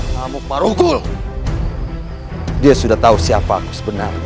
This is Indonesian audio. kamu paruh kuluh dia sudah tahu siapa aku sebenarnya